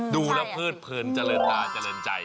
ดูแล้วเพิดเพลินเจริญตาเจริญใจ